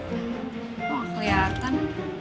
kok gak keliatan